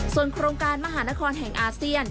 ส่วนโครงการมหานครแห่งอาเซียน